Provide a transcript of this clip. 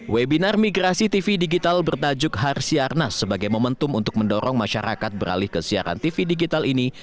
webinar migrasi tv digital bertajuk harsiarnas sebagai momentum untuk mendorong masyarakat beralih ke siaran tv digital ini